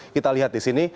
kita lihat di sini